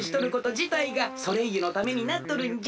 じたいがソレイユのためになっとるんじゃ。